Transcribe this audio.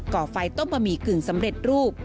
่อไฟต้มบะหมี่กึ่งสำเร็จรูป